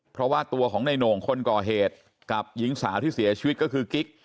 เพราะว่าตัวของในโหน่งคนก่อเหตุกับหญิงสาวที่เสียชีวิตก็คือกิ๊ก